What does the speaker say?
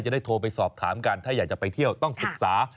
ได้โทรไปสอบถามกันถ้าอยากจะไปเที่ยวต้องศึกษา